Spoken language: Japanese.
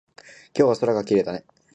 今日は空がきれいだね。